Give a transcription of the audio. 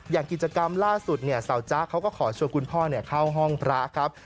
อย่างกิจกรรมล่าสุดสาวจ๊ะเขาก็ขอชวนคุณพ่อเข้าห้องพระครับ